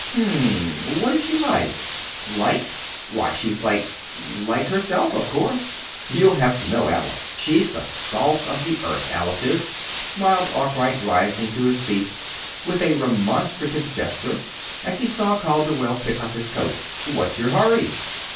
"Hm m; what is she like?" "Like? Why, she's like like herself, of course. You'll have to know Alice. She's the salt of the earth Alice is," smiled Arkwright, rising to his feet with a remonstrative gesture, as he saw Calderwell pick up his coat. "What's your hurry?"